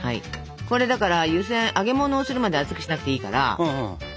これだから湯せん揚げものをするまで熱くしなくていいから。